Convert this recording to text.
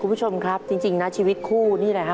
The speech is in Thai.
คุณผู้ชมครับจริงนะชีวิตคู่นี่แหละฮะ